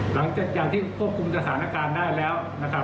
หลังจากที่ควบคุมสถานการณ์ได้แล้วนะครับ